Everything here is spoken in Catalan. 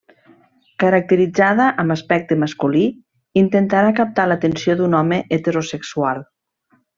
Caracteritzada amb aspecte masculí, intentarà captar l'atenció d'un home heterosexual.